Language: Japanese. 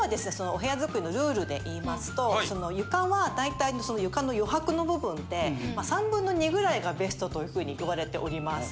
お部屋作りのルールで言いますとその床はだいたいその床の余白の部分って３分の２ぐらいがベストという風に言われております。